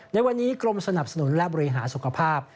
ในวันนี้กรมสนับสนุนและบริหารสุขภาพ